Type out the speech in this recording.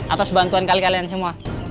atas bantuan kalian kalian semua